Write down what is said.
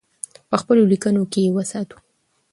په خپلو لیکنو کې یې وساتو.